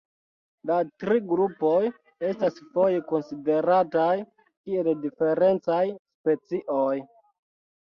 La tri grupoj estas foje konsiderataj kiel diferencaj specioj.